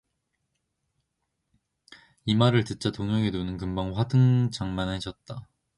이 말을 듣자 동혁의 눈은 금방 화등잔만해졌다.